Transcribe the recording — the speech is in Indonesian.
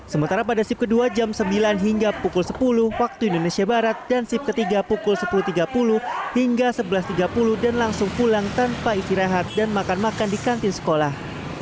sementara pada sip kedua jam sembilan hingga pukul sepuluh waktu indonesia barat dan sip ketiga pukul sepuluh tiga puluh hingga sebelas tiga puluh dan langsung pulang tanpa istirahat dan makan makan di kantin sekolah